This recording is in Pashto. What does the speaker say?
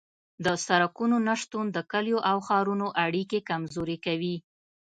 د سرکونو نشتون د کلیو او ښارونو اړیکې کمزورې کوي